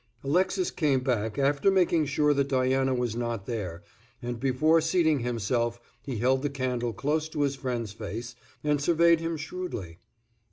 Alexis came back after making sure that Diana was not there, and before seating himself he held the candle close to his friend's face and surveyed him shrewdly.